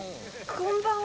こんばんは。